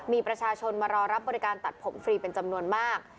มีประชาชนมารอรับบริการตัดผมฟรีเป็นจำนวนมาก